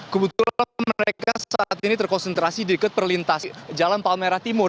kebetulan mereka saat ini terkonsentrasi di dekat perlintas jalan palmerah timur